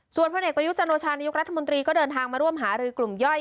ส่วนพรรณเหกวันยุคจนวชานายุครัฐมนตรีก็เดินทางมาร่วมหารือกลุมย่อย